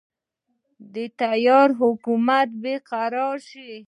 د تیارې حکومت چې برقراره شو.